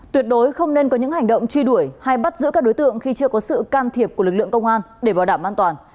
tuyệt đối không nên có những hành động truy đuổi hay bắt giữ các đối tượng khi chưa có sự can thiệp của lực lượng công an để bảo đảm an toàn